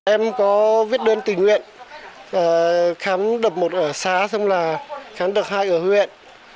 em có viết đơn tình nguyện khám đập một ở xá xong là khám đập hai ở huyện